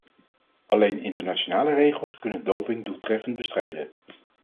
Alleen internationale regels kunnen doping doeltreffend bestrijden.